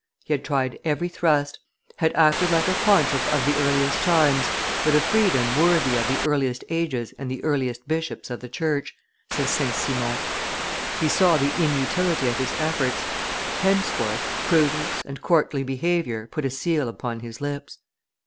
"He had tried every thrust; had acted like a pontiff of the earliest times, with a freedom worthy of the earliest ages and the earliest bishops of the Church," says St. Simon. He saw the inutility of his efforts; henceforth, prudence and courtly behavior put a seal upon his lips.